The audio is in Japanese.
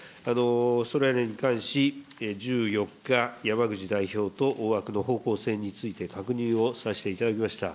それらに関し、１４日、山口代表と大枠の方向性について確認をさせていただきました。